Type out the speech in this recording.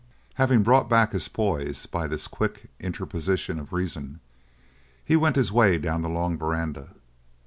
Having brought back his poise by this quick interposition of reason, he went his way down the long veranda.